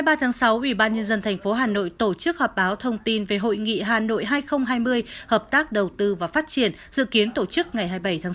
chiều hai mươi ba tháng sáu ủy ban nhân dân thành phố hà nội tổ chức họp báo thông tin về hội nghị hà nội hai nghìn hai mươi hợp tác đầu tư và phát triển dự kiến tổ chức ngày hai mươi bảy tháng sáu